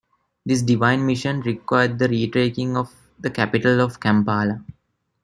This divine mission required the retaking of the capital of Kampala.